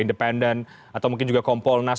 independen atau mungkin juga kompolnas